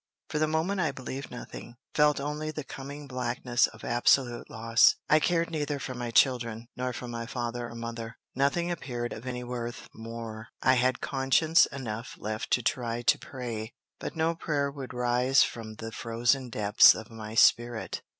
For the moment I believed nothing, felt only the coming blackness of absolute loss. I cared neither for my children, nor for my father or mother. Nothing appeared of any worth more. I had conscience enough left to try to pray, but no prayer would rise from the frozen depths of my spirit.